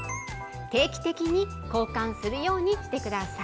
定期的に交換するようにしてください。